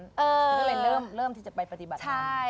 มันก็เลยเริ่มที่จะไปปฏิบัติธรรม